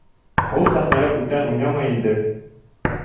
Ул сәхнәлә күптән уйнамай инде